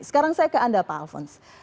sekarang saya ke anda pak alfons